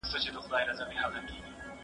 زه اوږده وخت مينه څرګندوم وم،